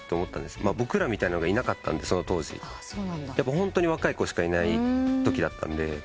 ホントに若い子しかいないときだったんで。